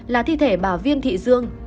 là thi thể bà viên thị dương